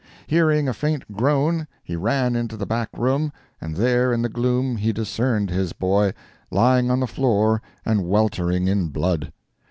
Hearing a faint groan, he ran into the back room, and there in the gloom he discerned his boy, lying on the floor and weltering in blood.